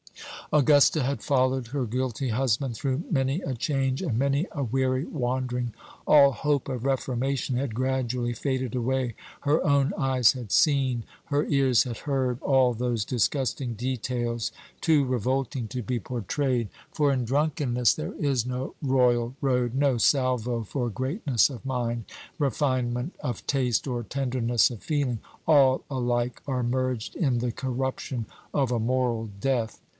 Augusta had followed her guilty husband through many a change and many a weary wandering. All hope of reformation had gradually faded away. Her own eyes had seen, her ears had heard, all those disgusting details, too revolting to be portrayed; for in drunkenness there is no royal road no salvo for greatness of mind, refinement of taste, or tenderness of feeling. All alike are merged in the corruption of a moral death.